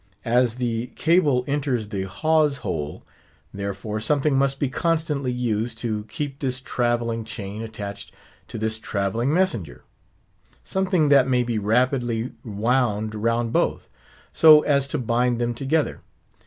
As the cable enters the hawse hole, therefore, something must be constantly used, to keep this travelling chain attached to this travelling messenger; something that may be rapidly wound round both, so as to bind them together.